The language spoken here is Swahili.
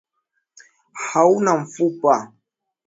Hauna mfupa.